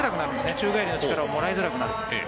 宙返りの力をもらいづらくなる。